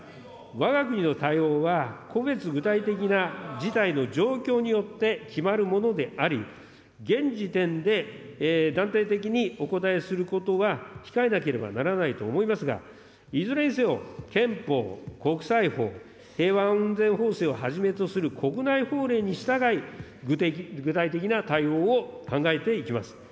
わが国の対応は個別具体的な事態の状況によって決まるものであり、現時点で断定的にお答えすることは控えなければならないと思いますが、いずれにせよ、憲法、国際法、平和安全法制をはじめとする国内法令に従い、具体的な対応を考えていきます。